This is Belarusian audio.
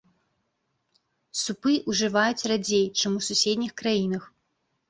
Супы ўжываюць радзей, чым у суседніх краінах.